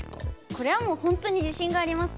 これはもう本当に自信があります。